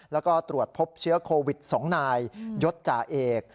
แล้วก็ตรวจพบเชื้อโควิด๒นายยศจ่าเอก